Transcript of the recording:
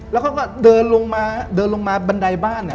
แล้วเขาก็เดินลงมาบันไดบ้าน